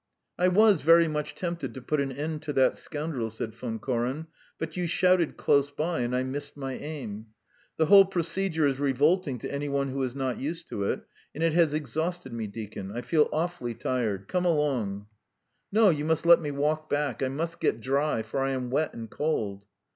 "I was very much tempted to put an end to that scoundrel," said Von Koren, "but you shouted close by, and I missed my aim. The whole procedure is revolting to any one who is not used to it, and it has exhausted me, deacon. I feel awfully tired. Come along. ..." "No, you must let me walk back. I must get dry, for I am wet and cold."